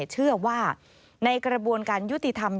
เชื่อว่าในกระบวนการยุติธรรม